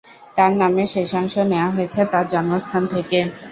তার নামের শেষাংশ নেয়া হয়েছে তার জন্মস্থান থেকে।